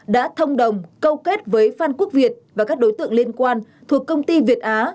đã thông đồng câu kết với phan quốc việt và các đối tượng liên quan thuộc công ty việt á